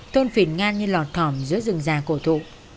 thôn phìn ngan như lọt thỏm giữa rừng già cổ tử